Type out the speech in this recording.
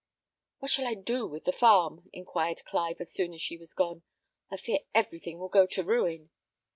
"What shall I do with the farm?" inquired Clive, as soon as she was gone. "I fear everything will go to ruin."